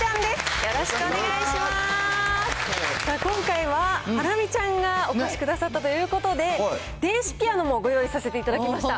今回はハラミちゃんがお越しくださったということで、電子ピアノもご用意させていただきました。